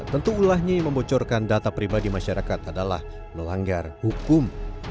tentu ulahnya yang membocorkan data pribadi masyarakat adalah melanggar hukum